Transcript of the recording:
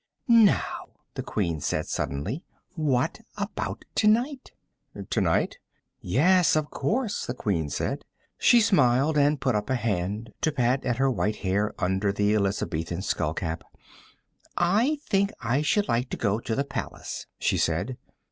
"Now," the Queen said suddenly, "what about tonight?" "Tonight?" "Yes, of course," the Queen said. She smiled, and put up a hand to pat at her white hair under the Elizabethan skullcap. "I think I should like to go to the Palace," she said.